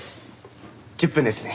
１０分ですね。